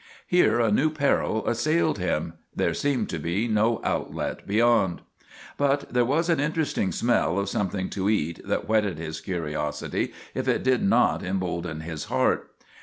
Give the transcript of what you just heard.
Here a new peril assailed him; there seemed to be no outlet beyond. But there was an interesting smell of something to eat that whetted his curiosity if it did not embolden his heart.